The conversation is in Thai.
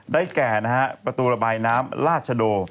แก่นะฮะประตูระบายน้ำราชโด